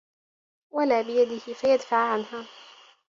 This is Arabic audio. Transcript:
وَلَا بِيَدِهِ فَيَدْفَعُ عَنْهَا